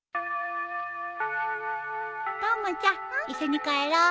たまちゃん一緒に帰ろう。